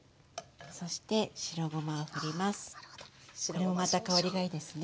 これもまた香りがいいですね。